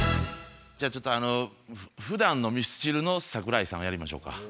じゃあふだんのミスチルの桜井さんをやりましょうか。